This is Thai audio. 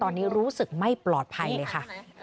ตอนนี้รู้สึกไม่ปลอดภัยเลยค่ะ